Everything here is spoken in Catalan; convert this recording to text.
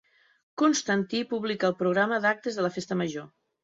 Constantí publica el programa d'actes de la Festa Major.